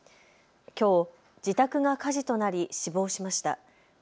きょうの自宅が火事となり死亡しました。